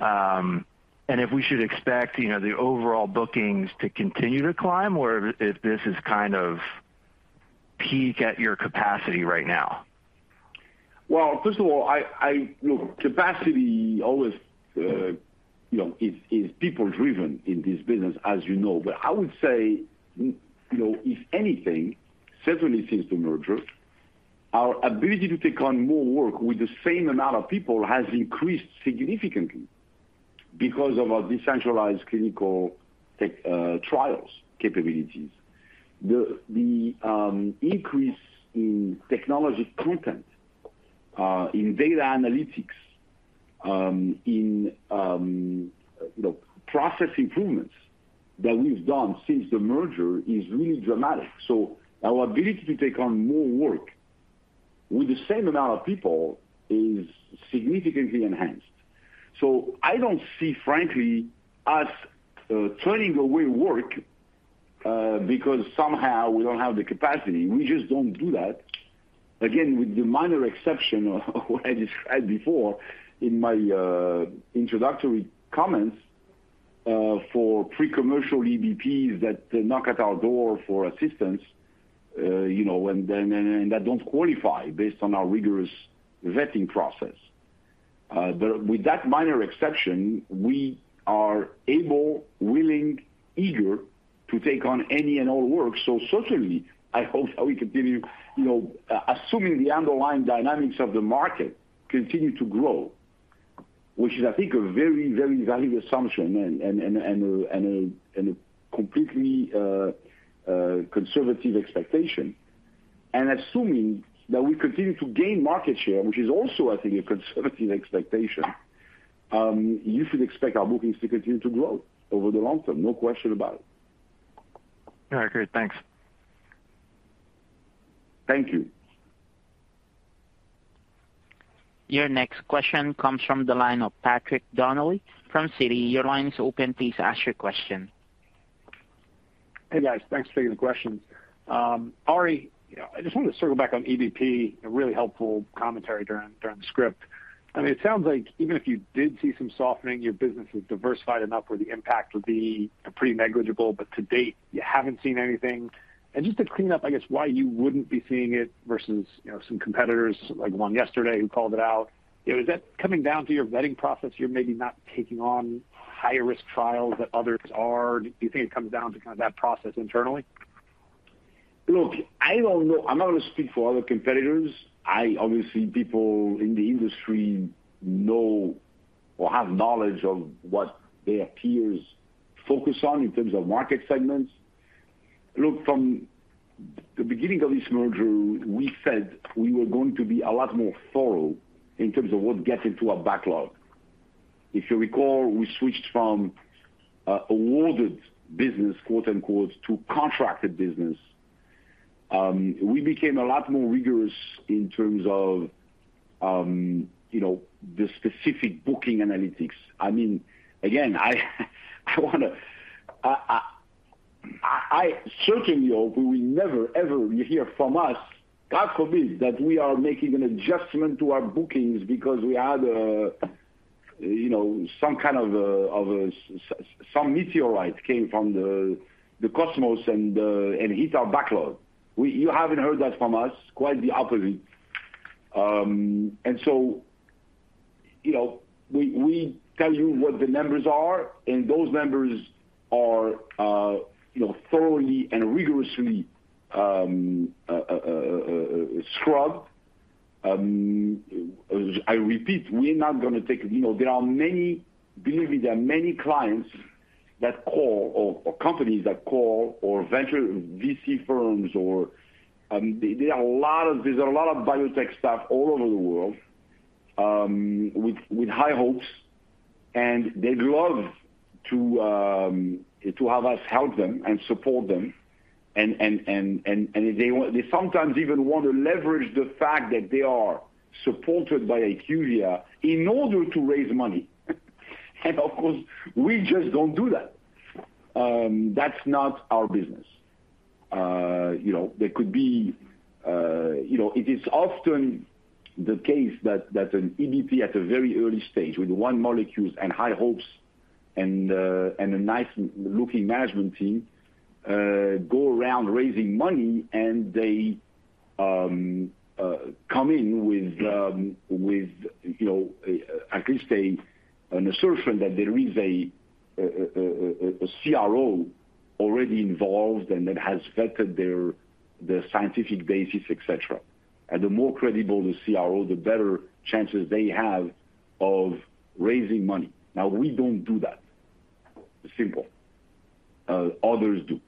and if we should expect, you know, the overall bookings to continue to climb or if this is kind of peak at your capacity right now? Well, first of all, look, capacity always, you know, is people-driven in this business, as you know. I would say, you know, if anything, certainly since the merger, our ability to take on more work with the same amount of people has increased significantly. Because of our decentralized clinical trials capabilities. The increase in technology content, in data analytics, in you know, process improvements that we've done since the merger is really dramatic. Our ability to take on more work with the same amount of people is significantly enhanced. I don't see, frankly, us turning away work, because somehow we don't have the capacity. We just don't do that. Again, with the minor exception of what I described before in my introductory comments, for pre-commercial EBPs that knock at our door for assistance, you know, and that don't qualify based on our rigorous vetting process. With that minor exception, we are able, willing, eager to take on any and all work. Certainly, I hope that we continue, you know, assuming the underlying dynamics of the market continue to grow, which is, I think, a very, very valuable assumption and a completely conservative expectation. Assuming that we continue to gain market share, which is also, I think, a conservative expectation, you should expect our bookings to continue to grow over the long term, no question about it. All right, great. Thanks. Thank you. Your next question comes from the line of Patrick Donnelly from Citi. Your line is open. Please ask your question. Hey, guys. Thanks for taking the questions. Ari, you know, I just wanted to circle back on EBP, a really helpful commentary during the script. I mean, it sounds like even if you did see some softening, your business is diversified enough where the impact would be pretty negligible, but to date, you haven't seen anything. Just to clean up, I guess, why you wouldn't be seeing it versus, you know, some competitors like the one yesterday who called it out. You know, is that coming down to your vetting process, you're maybe not taking on higher risk trials that others are? Do you think it comes down to kind of that process internally? Look, I don't know. I'm not gonna speak for other competitors. Obviously, people in the industry know or have knowledge of what their peers focus on in terms of market segments. Look, from the beginning of this merger, we said we were going to be a lot more thorough in terms of what gets into our backlog. If you recall, we switched from awarded business, quote-unquote, to contracted business. We became a lot more rigorous in terms of you know, the specific booking analytics. I mean, again, I certainly hope we will never, ever hear from us, God forbid, that we are making an adjustment to our bookings because we had you know, some kind of some meteorite came from the cosmos and hit our backlog. You haven't heard that from us, quite the opposite. You know, we tell you what the numbers are, and those numbers are, you know, thoroughly and rigorously scrubbed. As I repeat, we're not gonna take. You know, there are many, believe me, there are many clients that call or companies that call or venture VC firms or, there are a lot of, there's a lot of biotech stuff all over the world, with high hopes, and they'd love to have us help them and support them. They sometimes even want to leverage the fact that they are supported by IQVIA in order to raise money. Of course, we just don't do that. That's not our business. You know, there could be. You know, it is often the case that an EBP at a very early stage with one molecule and high hopes and a nice looking management team go around raising money, and they come in with, you know, at least an assertion that there is a CRO already involved and that has vetted their scientific basis, et cetera. The more credible the CRO, the better chances they have of raising money. Now, we don't do that. Simple. Others do.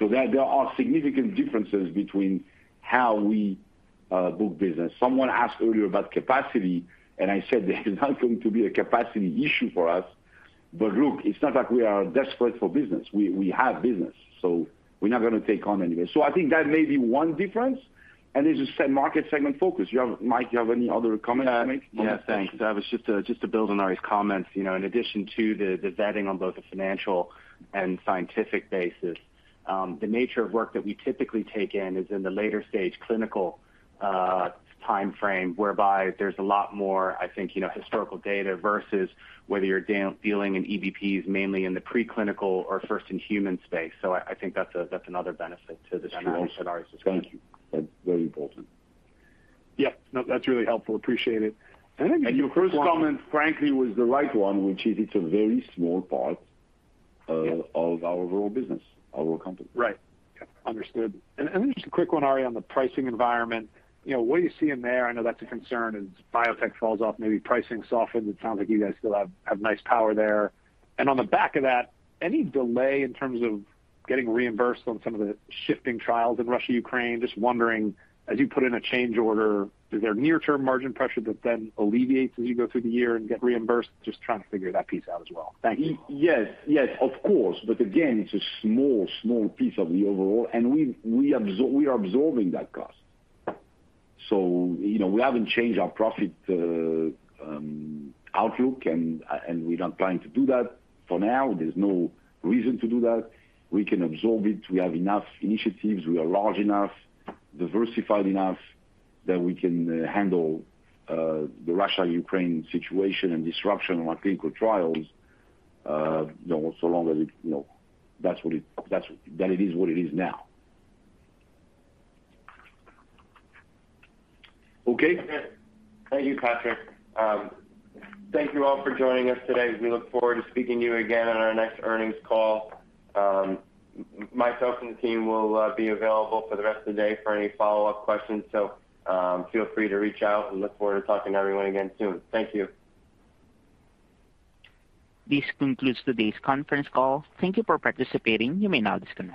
There are significant differences between how we book business. Someone asked earlier about capacity, and I said there is not going to be a capacity issue for us. Look, it's not like we are desperate for business. We have business, so we're not gonna take on anybody. I think that may be one difference, and it's a market segment focus. You have, Mike, you have any other comments to make? Yeah. Yeah, thanks. I was just to build on Ari's comments. You know, in addition to the vetting on both the financial and scientific basis, the nature of work that we typically take in is in the later stage clinical timeframe, whereby there's a lot more, I think, you know, historical data versus whether you're dealing in EBPs mainly in the preclinical or first in human space. I think that's another benefit to the strategy that Ari just mentioned. Thank you. That's very important. Yeah. No, that's really helpful. Appreciate it. I think. Your first comment, frankly, was the right one, which is it's a very small part of our overall business, our overall company. Right. Understood. Just a quick one, Ari, on the pricing environment. You know, what are you seeing there? I know that's a concern as biotech falls off, maybe pricing softens. It sounds like you guys still have nice power there. And on the back of that, any delay in terms of getting reimbursed on some of the shifting trials in Russia, Ukraine? Just wondering, as you put in a change order, is there near term margin pressure that then alleviates as you go through the year and get reimbursed? Just trying to figure that piece out as well. Thank you. Yes, of course. Again, it's a small piece of the overall, and we are absorbing that cost. You know, we haven't changed our profit outlook and we're not planning to do that. For now, there's no reason to do that. We can absorb it. We have enough initiatives. We are large enough, diversified enough that we can handle the Russia-Ukraine situation and disruption on our clinical trials, you know, so long as it, you know, that it is what it is now. Okay. Thank you, Patrick. Thank you all for joining us today. We look forward to speaking to you again on our next earnings call. Myself and the team will be available for the rest of the day for any follow-up questions, so feel free to reach out. We look forward to talking to everyone again soon. Thank you. This concludes today's conference call. Thank you for participating. You may now disconnect.